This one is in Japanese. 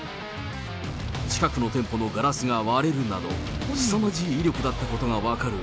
近くの店舗のガラスが割れるなど、すさまじい威力だったことが分かる